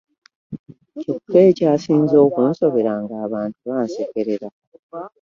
Kyokka ekyasinze okunsobera ng'abantu bansekerera.